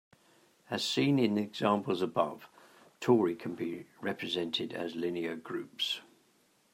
As seen in the examples above tori can be represented as linear groups.